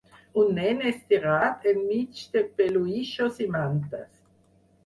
Un nen estirat enmig de peluixos i mantes.